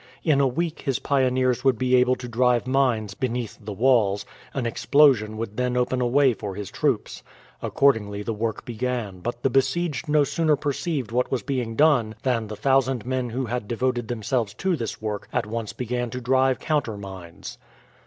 In a week his pioneers would be able to drive mines beneath the walls; an explosion would then open a way for his troops. Accordingly the work began, but the besieged no sooner perceived what was being done than the thousand men who had devoted themselves to this work at once began to drive counter mines.